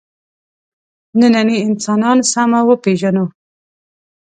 نننی انسان سمه وپېژنو.